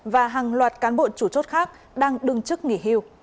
và hàng loạt cán bộ chủ chốt khác đang đương chức nghỉ hưu